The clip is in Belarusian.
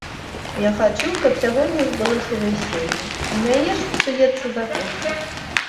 Я хачу, каб сягоння збылося вяселле, у мяне ж псуецца закуска.